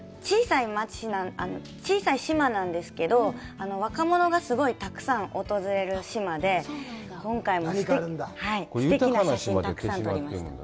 小さい島なんですけど、若者がすごいたくさん訪れる島で今回もすてきな写真をたくさん撮りました。